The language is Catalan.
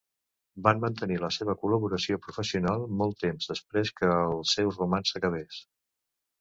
Van mantenir la seva col·laboració professional molt temps després que el seu romanç s'acabés.